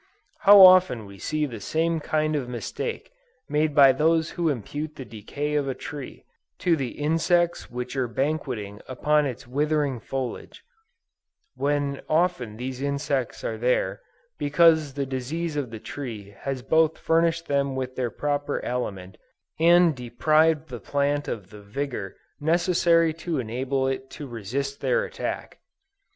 How often we see the same kind of mistake made by those who impute the decay of a tree, to the insects which are banqueting upon its withering foliage; when often these insects are there, because the disease of the tree has both furnished them with their proper aliment, and deprived the plant of the vigor necessary to enable it to resist their attack.